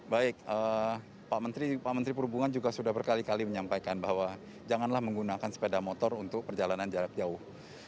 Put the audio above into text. baik pak menteri pak menteri perhubungan juga sudah berkali kali menyampaikan bahwa janganlah menggunakan sepeda motor untuk perjalanan jarak jauh